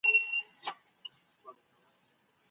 ولي د ژوند په سختو شیبو کي یوازي هڅه کار ورکوي؟